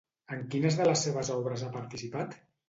En quines de les seves obres ha participat?